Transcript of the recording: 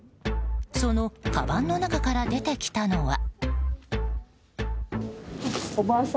そのかばんの中から出てきたのは。